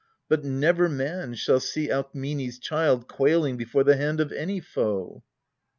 But never man shall see Alkmene's child Quailing before the hand of any foe.